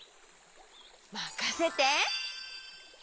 まかせて！